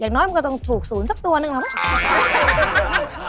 อย่างน้อยมันก็ต้องถูกศูนย์สักตัวหนึ่งหรือเปล่า